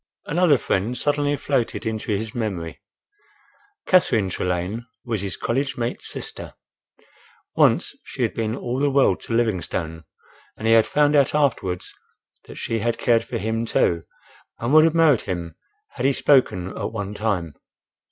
Another friend suddenly floated into his memory. Catherine Trelane was his college mate's sister. Once she had been all the world to Livingstone, and he had found out afterwards that she had cared for him too, and would have married him had he spoken at one time.